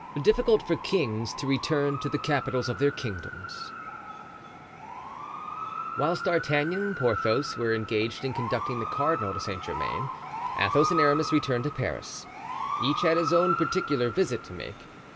Difficult for Kings to return to the Capitals of their Kingdoms. Whilst D'Artagnan and Porthos were engaged in conducting the cardinal to Saint Germain, Athos and Aramis returned to Paris. Each had his own particular visit to make.